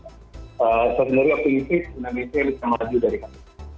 saat benar benar aku ingin menangisnya bisa maju dari kami